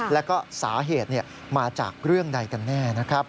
แล้วก็สาเหตุมาจากเรื่องใดกันแน่นะครับ